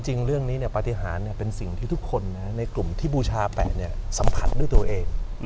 จริงเรื่องนี้ปฏิหารเป็นสิ่งที่ทุกคนในกลุ่มที่บูชาแปะสัมผัสด้วยตัวเอง